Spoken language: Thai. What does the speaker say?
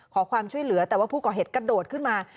ขอความช่วยเหลือแต่ว่าผู้ก่อเหตุกระโดดขึ้นมา